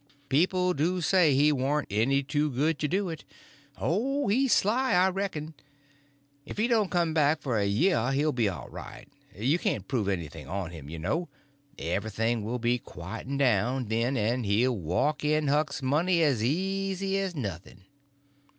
People do say he warn't any too good to do it. Oh, he's sly, I reckon. If he don't come back for a year he'll be all right. You can't prove anything on him, you know; everything will be quieted down then, and he'll walk in Huck's money as easy as nothing."